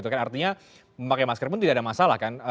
artinya memakai masker pun tidak ada masalah kan